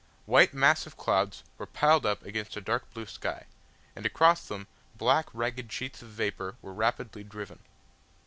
White massive clouds were piled up against a dark blue sky, and across them black ragged sheets of vapour were rapidly driven.